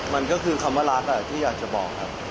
มันก็คือคำว่ารักที่อยากจะบอกครับ